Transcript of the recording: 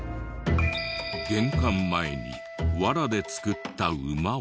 玄関前にワラで作った馬を。